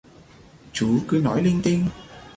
chú cứ nói linh tinh